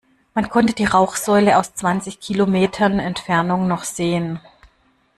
Man konnte die Rauchsäule aus zwanzig Kilometern Entfernung noch sehen.